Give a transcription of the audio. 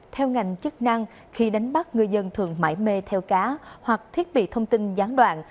theo ngành chức năng khi đánh bắt người dân thường mãi mê theo cá hoặc thiết bị thông tin gián đoạn